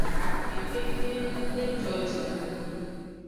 Akpe keke; ejojinung.